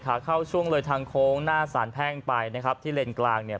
ขาเข้าช่วงเลยทางโค้งหน้าสารแพ่งไปนะครับที่เลนกลางเนี่ย